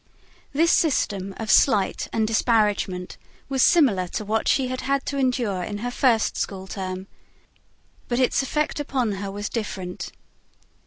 This system of slight and disparagement was similar to what she had had to endure in her first school term; but its effect upon her was different.